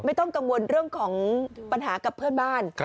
ไม่ต้องกังวลเรื่องของปัญหากับเพื่อนบ้าน